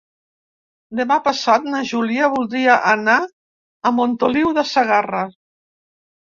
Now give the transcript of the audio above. Demà passat na Júlia voldria anar a Montoliu de Segarra.